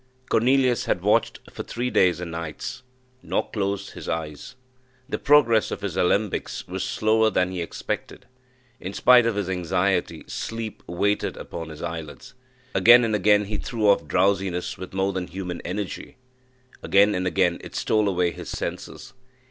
Cornelius had watched for three days and nights, nor closed his eyes. The progress of his alembics was slower than he expected: in spite of his anxiety, sleep weighted upon his eyelids. Again and again he threw off drowsiness with more than human energy; again and again it stole away his senses.